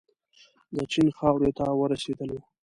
د چین خاورې ته ورسېدلو.